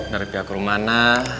dari pihak rumana